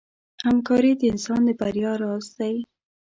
همکاري د انسان د بریا راز دی.